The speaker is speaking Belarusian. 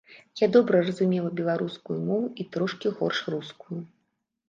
Я добра разумела беларускую мову і трошкі горш рускую.